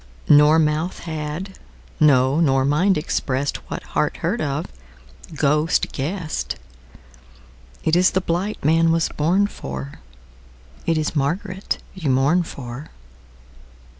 Nor mouth had, no nor mind, expressedWhat heart heard of, ghost guessed:It ís the blight man was born for, It is Margaret you mourn for.